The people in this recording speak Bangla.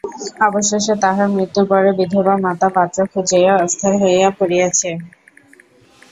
অবশেষে তাহার মৃত্যুর পরে বিধবা মাতা পাত্র খুঁজিয়া অস্থির হইয়া পড়িয়াছে।